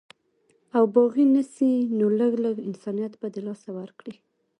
او باغي نسي نو لږ، لږ انسانيت به د لاسه ورکړي